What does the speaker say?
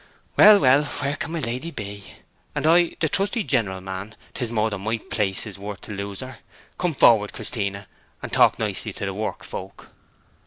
... Well, well, where can my lady be? And I the trusty jineral man 'tis more than my place is worth to lose her! Come forward, Christiana, and talk nicely to the work folk.'